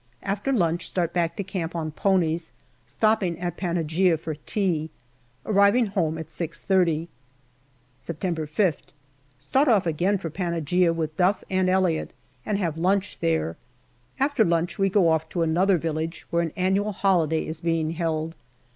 After lunch, start back to camp on ponies, stopping at Panaghia for tea, arriving home at 6.30. September 5th. Start off again for Panaghia with Duff and Elliott, and have lunch there. After lunch we go off to another village, where an annual holiday is being held.